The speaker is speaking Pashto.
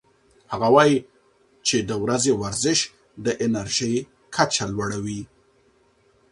هغه وايي چې د ورځې ورزش د انرژۍ کچه لوړه کوي.